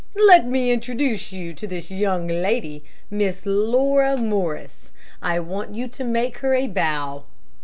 "Let me introduce you to this young lady, Miss Laura Morris. I want you to make her a bow."